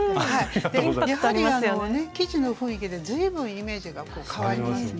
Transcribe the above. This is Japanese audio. やはり生地の雰囲気で随分イメージが変わりますね。